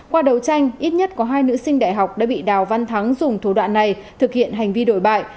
qua đấu tranh ít nhất có hai nữ sinh đại học đã bị đào văn thắng dùng thủ đoạn này thực hiện hành vi đổi bại